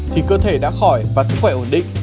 thì cơ thể đã khỏi và sức khỏe ổn định